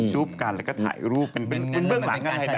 จุ๊บกันแล้วก็ถ่ายรูปเป็นเบื้องหลังกันให้แบบ